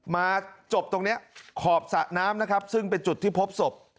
มาจบตรงนี้ขอบสระน้ำนะครับซึ่งเป็นจุดที่พบศพ